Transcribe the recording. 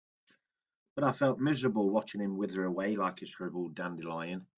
But I felt miserable watching him wither away like a shriveled dandelion.